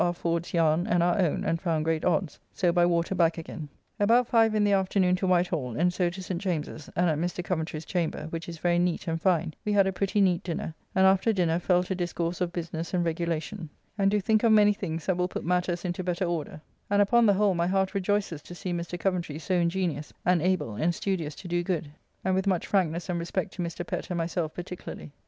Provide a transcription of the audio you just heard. Ford's yarn and our own, and found great odds. So by water back again. About five in the afternoon to Whitehall, and so to St. James's; and at Mr. Coventry's chamber, which is very neat and fine, we had a pretty neat dinner, and after dinner fell to discourse of business and regulation, and do think of many things that will put matters into better order, and upon the whole my heart rejoices to see Mr. Coventry so ingenious, and able, and studious to do good, and with much frankness and respect to Mr. Pett and myself particularly.